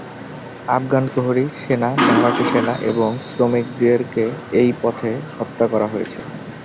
আফগান প্রহরী, সেনা, ভাড়াটে সৈনিক এবং শ্রমিকদের এই পথে হত্যা করা হয়েছে।